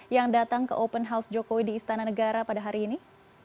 yang datang ke open house jokowi di istana negara pada hari ini